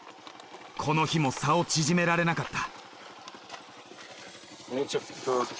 この日も差を縮められなかった。